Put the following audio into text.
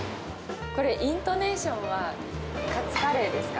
これ、イントネーションはカツカレーですか？